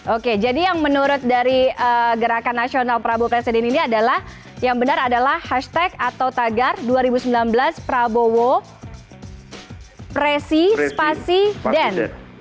oke jadi yang menurut dari gerakan nasional prabowo presiden ini adalah yang benar adalah hashtag atau tagar dua ribu sembilan belas prabowo presi spasi den